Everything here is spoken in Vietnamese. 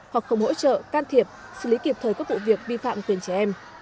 hoặc không hỗ trợ can thiệp xử lý kịp thời các vụ việc vi phạm quyền trẻ em